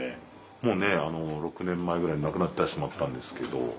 もう６年前ぐらいに亡くなってしまったんですけど。